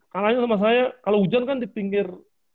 kalahnya sama saya kalau hujan kan di pinggir